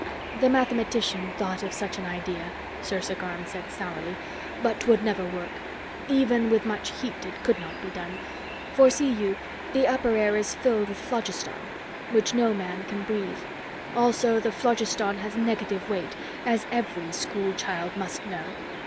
"The mathematician thought of such an idea," Sersa Garm said sourly. "But 'twould never work. Even with much heat, it could not be done. For see you, the upper air is filled with phlogiston, which no man can breathe. Also, the phlogiston has negative weight, as every school child must know.